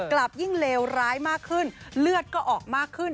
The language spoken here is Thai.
กลับยิ่งเลวร้ายมากขึ้นเลือดก็ออกมากขึ้น